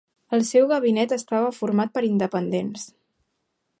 El seu gabinet estava format per independents.